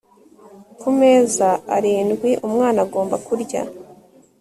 kumezi arindwi umwana agomba kurya